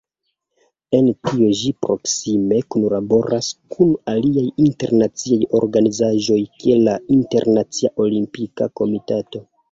En tio ĝi proksime kunlaboras kun aliaj internaciaj organizaĵoj kiel la Internacia Olimpika Komitato.